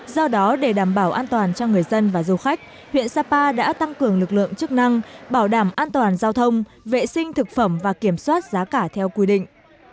do đó để đảm bảo an toàn cho người dân và du khách huyện sapa đã tăng cường lực lượng chức năng bảo đảm an toàn giao thông vệ sinh thực phẩm và kiểm soát giá cả theo quy định